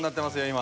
今。